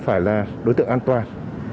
phải là đối tượng an toàn